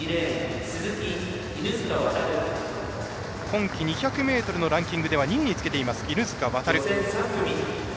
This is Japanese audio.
今期２００ｍのランキングでは２位につけています、犬塚渉。